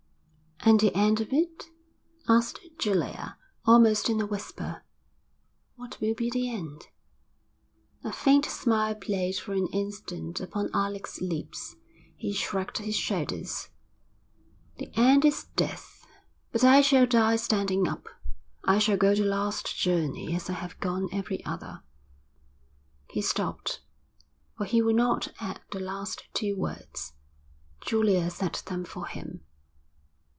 'And the end of it?' asked Julia, almost in a whisper. 'What will be the end?' A faint smile played for an instant upon Alec's lips. He shrugged his shoulders. 'The end is death. But I shall die standing up. I shall go the last journey as I have gone every other.' He stopped, for he would not add the last two words. Julia said them for him.